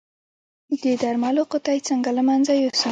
د درملو قطۍ څنګه له منځه یوسم؟